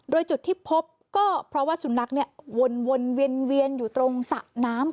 โดยจุดที่พบก็เพราะว่าสุนัขเนี่ยวนเวียนอยู่ตรงสระน้ำ